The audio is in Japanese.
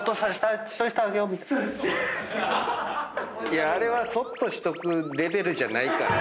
いやあれはそっとしとくレベルじゃないから。